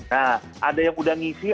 nah ada yang udah ngisi